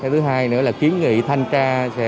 thứ hai nữa là kiến nghị thanh tra